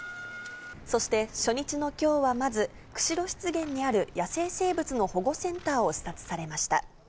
そして、初日のきょうはまず、釧路湿原にある野生生物の保護センターを視察されました。